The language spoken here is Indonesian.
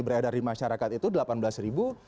berada di masyarakat itu rp delapan belas